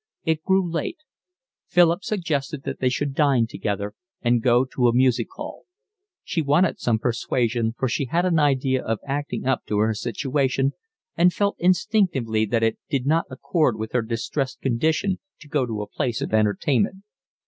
It grew late. Philip suggested that they should dine together and go to a music hall. She wanted some persuasion, for she had an idea of acting up to her situation, and felt instinctively that it did not accord with her distressed condition to go to a place of entertainment.